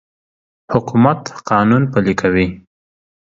حکومت قانون پلی کوي.